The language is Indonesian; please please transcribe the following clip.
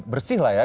bersih lah ya